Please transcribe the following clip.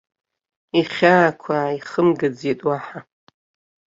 Ихьаақәа ааихымгаӡеит уаҳа.